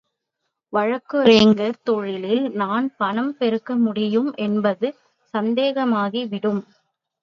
வழக்குரைஞர் தொழிலில் நான் பணம் பெருக்க முடியும் என்பதும் சந்தேகமாகி விடும்.